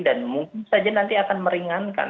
dan mungkin saja nanti akan meringankan